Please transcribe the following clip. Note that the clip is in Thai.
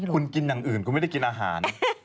คุณกินอย่างอื่นคุณไม่ได้กินอาหาร